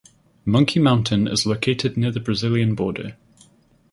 Monkey Mountain is located near the Brazilian border.